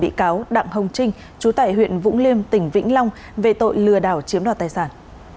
bị cáo đặng hồng trinh chú tải huyện vũng liêm tỉnh vĩnh long về tội lừa đảo chiếm đoạt tài sản